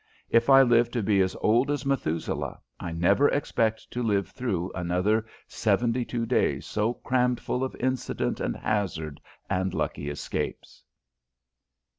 If I live to be as old as Methuselah, I never expect to live through another seventy two days so crammed full of incident and hazard and lucky escapes.